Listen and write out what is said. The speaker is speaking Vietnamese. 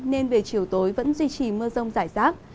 nên về chiều tối vẫn duy trì mưa rông rải rác